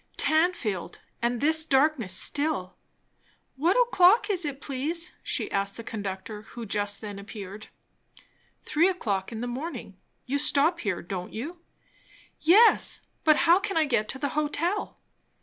Tanfield! and this darkness still. "What o'clock is it, please?" she asked the conductor, who just then appeared. "Three o'clock in the morning. You stop here, don't you?" "Yes; but how can I get to the hotel?"